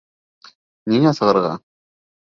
Ниңә сығырға?